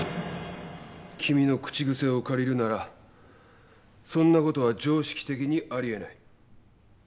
君の口癖を借りるならそんなことは常識的にありえない。